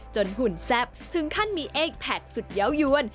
จนหุ่นแซ่บถึงขั้นมีเอกแผลกสุดย้าวย้วน